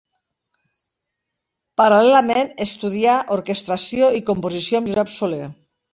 Paral·lelament estudià orquestració i composició amb Josep Soler.